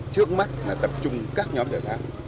trước mắt tập trung các nhóm thiệt hại